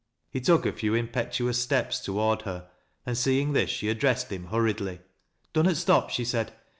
He took a few impetuous step) toward her , and seeing this, she addressed him hurriedly. " Dunnot stop," she said.